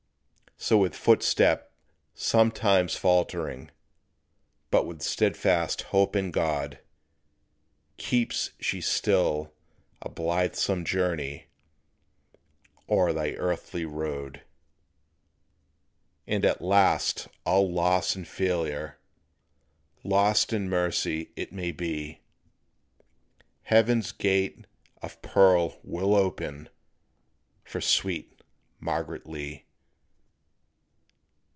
So with footstep sometimes faltering, But with steadfast hope in God, Keeps she still a blithesome journey O'er the earthly road. And at last all loss and failure Lost in mercy, it may be Heaven's gate of pearl will open For sweet Margaret Lee.